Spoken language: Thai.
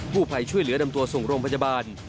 ผู้ภัยช่วยเหลือนำตัวส่งโรงพยาบาล